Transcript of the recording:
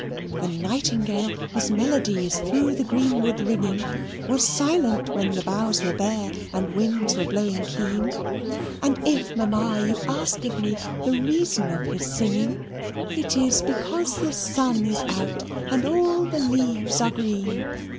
The nightingale, whose melody is through the greenwood ringing, Was silent when the boughs were bare and winds were blowing keen: And if, Mamma, you ask of me the reason of his singing, It is because the sun is out and all the leaves are green.